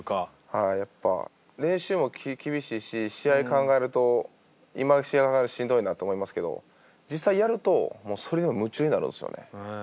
はいやっぱ練習も厳しいし試合考えると今試合はしんどいなって思いますけど実際やるともうそれに夢中になるんすよね。